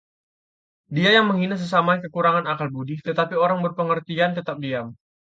Dia yang menghina sesamanya kekurangan akal budi, tetapi orang berpengertian tetap diam.